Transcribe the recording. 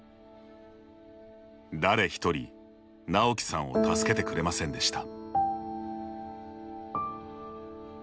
誰ひとり、なおきさんを助けてくれませんでした。